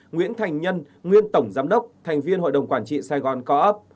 nguyễn thành nhân nguyên tổng giám đốc thành viên hội đồng quản trị saigon co op